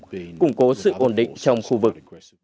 hãy củng cố sự ổn định trong khu vực